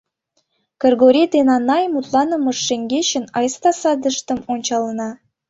Кыргорий ден Анай мутланымышт шеҥгечын айста садыштым ончалына.